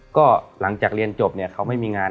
ก็หลังจากเรียนจบเนี่ยเขาไม่มีงาน